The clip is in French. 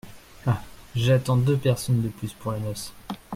Ah ! j’attends deux personnes de plus pour la noce.